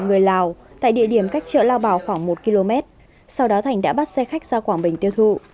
người lào tại địa điểm cách chợ lao bảo khoảng một km sau đó thành đã bắt xe khách ra quảng bình tiêu thụ